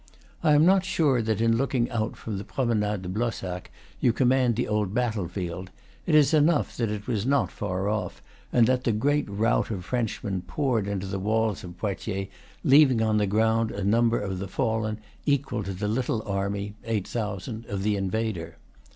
I am not sure that in looking out from the Promenade de Blossac you command the old battle field; it is enough that it was not far off, and that the great rout of Frenchmen poured into the walls of Poitiers, leav ing on the ground a number of the fallen equal to the little army (eight thousand) of the invader.